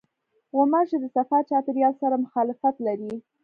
غوماشې د صفا چاپېریال سره مخالفت لري.